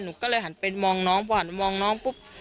หนูก็เลยหันไปมองน้องพอหันมองน้องปุ๊บ